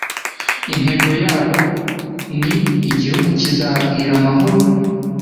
Intego yabo ni "Igihugu kizabwira amahoro